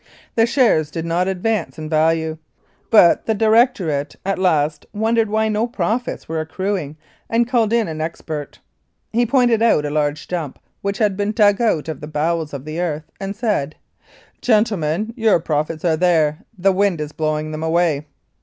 The shares did not advance in value, and the directorate at last wondered why no profits were accruing and called in an expert. He pointed out a large dump which had been dug out of the bowels of the earth and said, "Gentlemen, your profits are there; the wind is blowing them away."